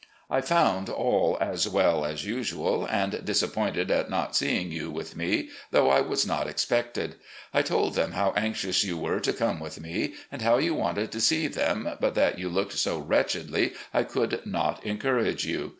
I found all as well as usual, and disappointed at not seeing you with me, though I was not expected. I told them how anxious you were to come with me, and how you wanted to see them, but that you looked so wretchedly I could not encourage you.